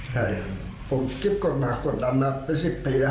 ใช่ผมทริปกรณ์มาส่วนดำมาเป็น๑๐ปีแล้ว